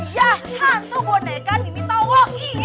iya hantu boneka nenek towo